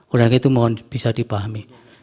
oleh karena itu mohon bisa dipahami